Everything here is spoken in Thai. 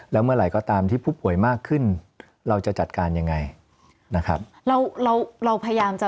แล้วเมื่อไหร่ก็ตามที่ผู้ป่วยมากขึ้นเราจะจัดการยังไงนะครับเราเราพยายามจะ